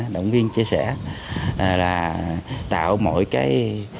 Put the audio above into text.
động viên chia sẻ là tạo mọi cái